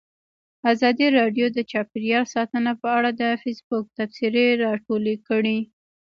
ازادي راډیو د چاپیریال ساتنه په اړه د فیسبوک تبصرې راټولې کړي.